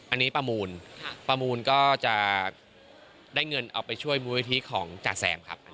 อันนี้ประมูลประมูลก็จะได้เงินเอาไปช่วยมูลนิธิของจ่าแซมครับ